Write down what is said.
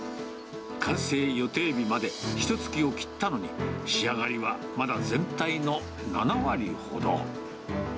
完成予定日までひとつきを切ったのに、仕上がりはまだ全体の７割ほど。